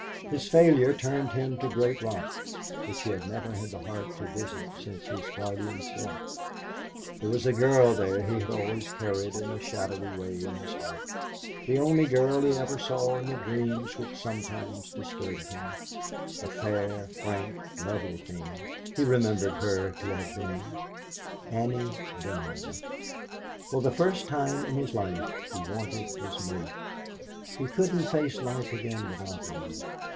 His failure turned him to Great Rock, which he had never had the heart to visit since his guardian's death. There was a girl there he had always carried in a shadowy way in his heart, the only girl he ever saw in the dreams which sometimes disturbed him a fair, frank, lovely thing, he remembered her to have been, Annie Dunne. For the first time in his life he wanted his mate. He couldn't face life again without one.